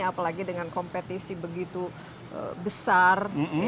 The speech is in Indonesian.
apalagi dengan kompetisi begitu besar